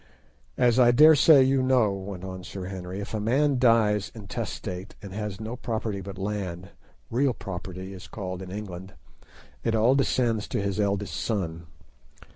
"As I daresay you know," went on Sir Henry, "if a man dies intestate, and has no property but land, real property it is called in England, it all descends to his eldest son.